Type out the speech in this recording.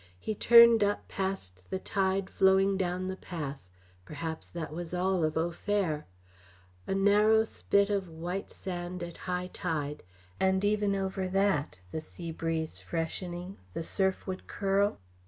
He turned up past the tide flowing down the pass perhaps that was all of Au Fer. A narrow spit of white sand at high tide, and even over that, the sea breeze freshening, the surf would curl?